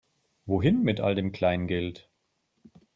Wohin mit all dem Kleingeld?